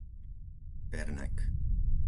Pernek